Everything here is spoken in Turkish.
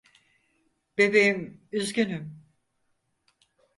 Bebeğim, üzgünüm.